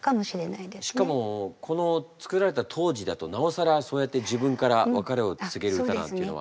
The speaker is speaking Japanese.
しかもこの作られた当時だとなおさらそうやって自分から別れを告げる歌なんていうのは。